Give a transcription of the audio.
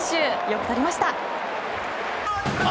よくとりました。